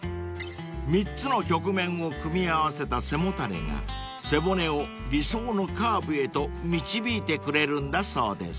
［３つの曲面を組み合わせた背もたれが背骨を理想のカーブへと導いてくれるんだそうです］